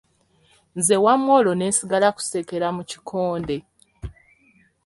Nze wamma olwo ne nsigala kusekera mu kikonde.